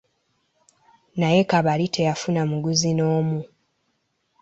Naye Kabali teyafuna muguzi n'omu.